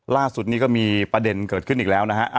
ล่าสุดนี้ก็มีประเด็นเกิดขึ้นอีกแล้วนะฮะ